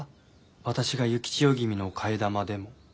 私が幸千代君の替え玉でも。